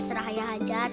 serah ya hajat